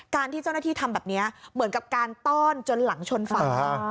ที่เจ้าหน้าที่ทำแบบนี้เหมือนกับการต้อนจนหลังชนฝา